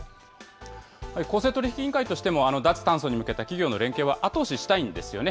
公正取引委員会としても、脱炭素に向けた企業の連携は後押ししたいんですよね。